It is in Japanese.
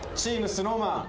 ＳｎｏｗＭａｎ